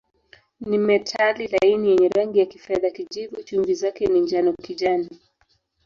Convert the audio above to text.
Ni metali laini yenye rangi ya kifedha-kijivu, chumvi zake ni njano-kijani.